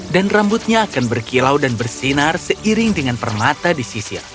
dan rambutnya akan berkilau dan bersinar seiring dengan permata di sisir